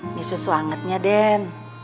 ini susu angetnya den